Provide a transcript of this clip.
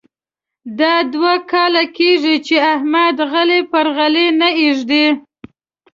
دا دوه کاله کېږې چې احمد خلی پر خلي نه اېږدي.